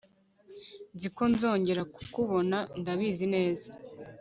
nzi ko nzongera kukubona ndabizi neza